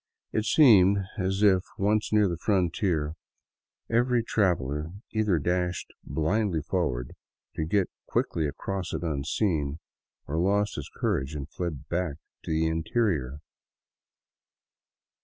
It seemed as if, once near the frontier, every traveler either dashed blindly forward to get quickly across it unseen, or lost his courage and fled back into the interior.